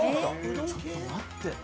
ちょっと待って。